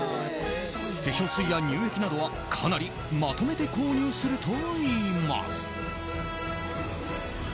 化粧水や乳液などはかなりまとめて購入するといいます。